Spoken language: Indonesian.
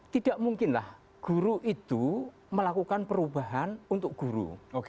tidak mungkinlah guru itu melakukan perubahan untuk guru